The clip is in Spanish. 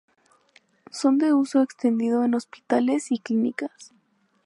Son de uso extendido en hospitales y clínicas.